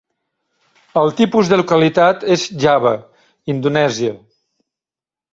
El tipus de localitat és Java, Indonèsia.